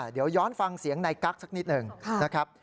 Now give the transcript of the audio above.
เดี๋ยวย้อนฟังเสียงนายกั๊กสักนิดหนึ่งนะครับ